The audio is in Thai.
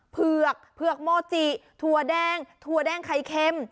เผือกเผือกโมจิถั่วแดงถั่วแดงไข่เค็ม